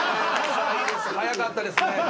早かったですね